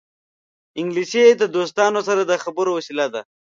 انګلیسي د دوستانو سره د خبرو وسیله ده